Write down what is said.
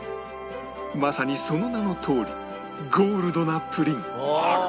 まさにその名のとおりゴールドなプリン